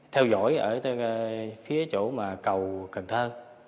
theo dõi ở phía chỗ mà cầu cần thơ